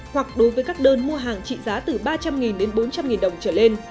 hoặc đối với các đơn mua hàng trị giá từ ba trăm linh đến bốn trăm linh đồng trở lên